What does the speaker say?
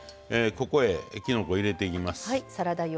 ここへきのこを入れていきます。